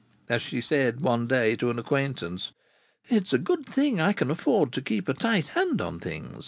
As she said one day to an acquaintance, "It's a good thing I can afford to keep a tight hand on things."